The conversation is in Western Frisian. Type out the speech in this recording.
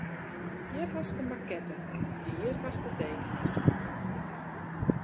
Hjir hast de makette en hjir hast de tekening.